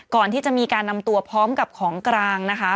ก่อนที่จะมีการนำตัวพร้อมกับของกลางนะคะ